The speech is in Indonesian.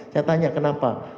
saya tanya kenapa